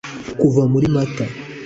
Kuva muri Mata